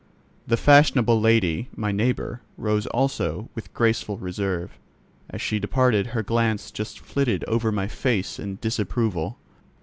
The fashionable lady, my neighbour, rose also, with graceful reserve. As she departed her glance just flitted over my face in disapproval.